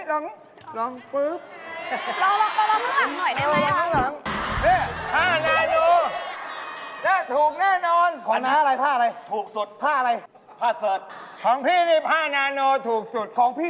ลองนิดลองลองปุ๊บ